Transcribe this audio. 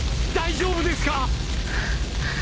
大丈夫ですか！？